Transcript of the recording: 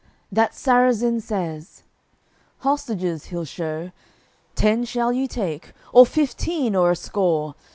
That Sarrazin says, "Hostages he'll show; Ten shall you take, or fifteen or a score.